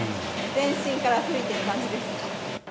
全身から噴いている感じです。